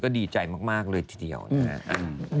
ดีใจมากเลยทีเดียวนะครับ